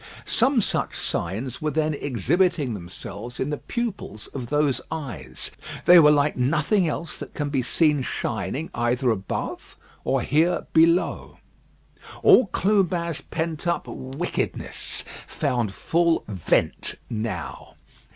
Some such signs were then exhibiting themselves in the pupils of those eyes. They were like nothing else that can be seen shining either above or here below. All Clubin's pent up wickedness found full vent now.